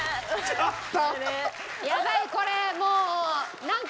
ちょっと！